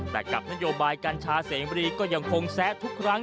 แต่กับนโยบายกัญชาเสมรีก็ยังคงแซะทุกครั้ง